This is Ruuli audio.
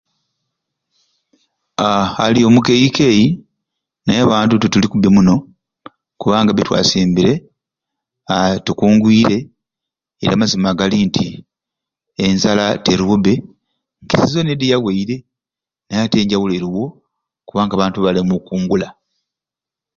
Haaa aliyo mukeyikeyi naye abantu tituli kubi munoo kubanga byetwasimbire aahh tukungwiire era amazima gali nti enzala teroowo bbe nke sizoni edi eyawaire naye ati enjawulo eroowo kubanga abantu bali mukungula.